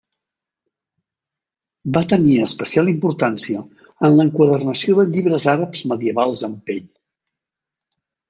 Va tenir especial importància en l'enquadernació de llibres àrabs medievals en pell.